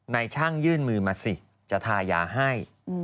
นายช่างยื่นมือมาสิจะทายาให้